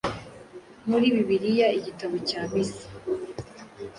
muri Bibiliya, Igitabo cya Misa,